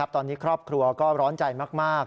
ตอนนี้ครอบครัวก็ร้อนใจมาก